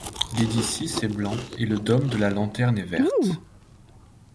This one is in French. L'édicice est blanc et le dôme de la lanterne est verte.